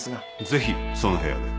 ぜひその部屋で。